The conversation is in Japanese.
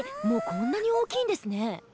もうこんなに大きいんですね。